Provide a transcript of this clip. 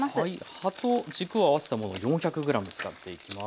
葉と軸を合わせたものを４００ｇ使っていきます。